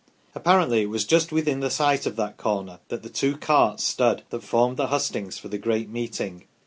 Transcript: Apparently it was just within the site of that corner that the two carts stood that formed the hustings for the great meeting.